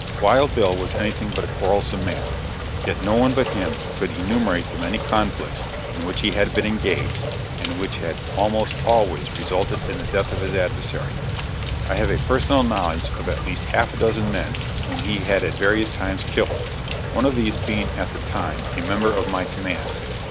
"Wild Bill was anything but a quarrelsome man; yet no one but him could enumerate the many conflicts in which he had been engaged, and which had almost always resulted in the death of his adversary. I have a personal knowledge of at least half a dozen men whom he had at various times killed, one of these being at the time a member of my command.